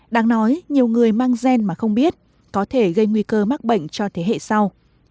đáng nói nhiều người mang gen mà không biết có thể gây nguy cơ mắc bệnh cho thế hệ sau